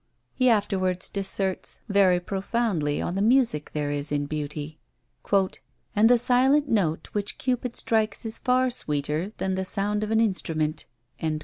He afterwards disserts very profoundly on the music there is in beauty, "and the silent note which Cupid strikes is far sweeter than the sound of an instrument."